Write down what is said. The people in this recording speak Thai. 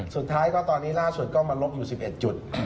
สุดท้ายก็ตอนนี้ล่าสุดก็มาลบอยู่๑๑จุด